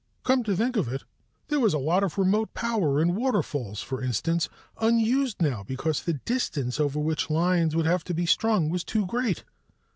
Come to think of it, there was a lot of remote power, in waterfalls for instance, unused now because the distance over which lines would have to be strung was too great.